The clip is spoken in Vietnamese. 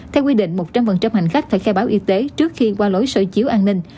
theo quy định một trăm linh hành khách phải khai báo y tế trước khi qua lối sở chiếu an ninh